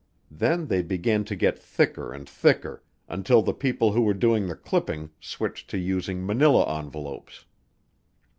Then they began to get thicker and thicker, until the people who were doing the clipping switched to using manila envelopes.